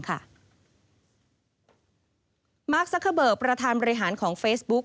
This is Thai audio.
มาร์คซักเกอร์เบิร์กประธานบริหารของเฟซบุ๊ก